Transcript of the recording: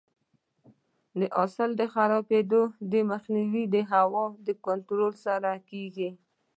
د حاصل د خرابېدو مخنیوی د هوا د کنټرول سره کیږي.